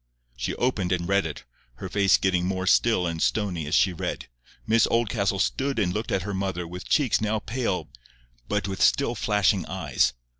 She opened and read it, her face getting more still and stony as she read. Miss Oldcastle stood and looked at her mother with cheeks now pale but with still flashing eyes.